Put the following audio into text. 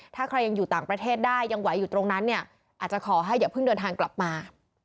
ถ้าใครยังอยู่ต่างประเทศได้ยังไหวอยู่ตรงนั้นเนี่ยอาจจะขอให้อย่าเพิ่งเดินทางกลับมา